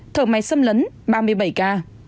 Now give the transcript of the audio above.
thở máy xâm lấn ba mươi bảy ca